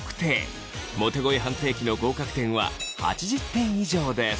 モテ声判定機の合格点は８０点以上です。